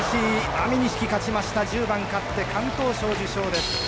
安美錦勝ちました、１０番勝って敢闘賞受賞です。